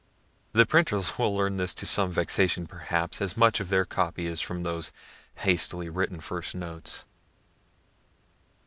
The printers will learn this to some vexation perhaps, as much of their copy is from those hastily written first notes.